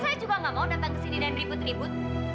saya juga gak mau datang kesini dan ribut ribut